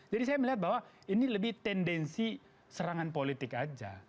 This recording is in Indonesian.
jadi saya melihat bahwa ini lebih tendensi serangan politik saja